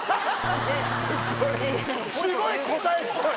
すごい答えっぽい。